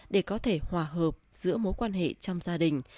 để có thể hòa hợp giữa mối quan hệ trong gia đình